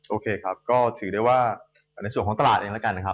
โอเคครับก็ถือได้ว่าในส่วนของตลาดเองแล้วกันนะครับ